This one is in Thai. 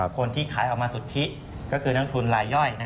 คนที่ขายออกมาสุทธิก็คือนักทุนลายย่อย